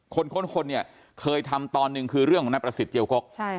ค้นคนเนี่ยเคยทำตอนหนึ่งคือเรื่องของนายประสิทธิเจียวกก